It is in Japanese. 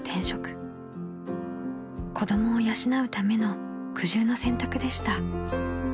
［子供を養うための苦渋の選択でした］